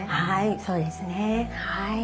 はいそうですね。